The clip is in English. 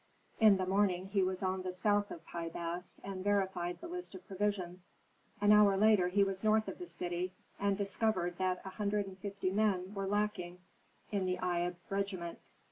In the morning he was on the south of Pi Bast and verified the list of provisions; an hour later he was north of the city, and discovered that a hundred and fifty men were lacking in the Ieb regiment.